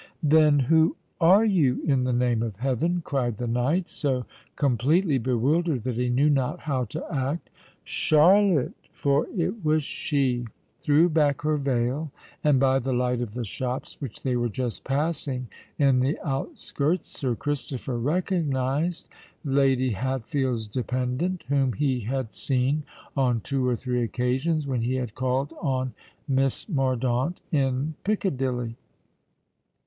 "Then who are you, in the name of heaven?" cried the knight, so completely bewildered that he knew not how to act. Charlotte—for it was she—threw back her veil, and, by the light of the shops which they were just passing in the outskirts, Sir Christopher recognised Lady Hatfield's dependant, whom he had seen on two or three occasions when he had called on Miss Mordaunt in Piccadilly.